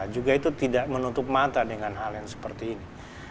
juga itu tidak menutup mata dengan hal yang seperti ini